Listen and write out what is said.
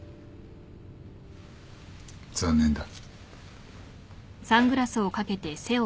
残念だ。